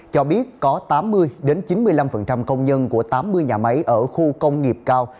cho biết có tám mươi chín mươi năm công nhân của tám mươi nhà máy ở khu công nghiệp cao